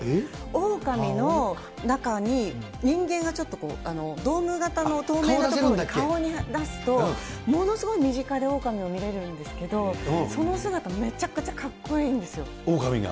オオカミの中に人間がちょっとドーム型の透明の所に顔出すと、ものすごい身近でオオカミを見れるんですけど、その姿、めちゃくオオカミが。